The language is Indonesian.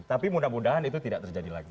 tapi mudah mudahan itu tidak terjadi lagi